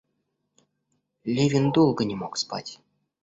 Левин долго не мог спать.